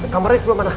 kamarnya sebelah mana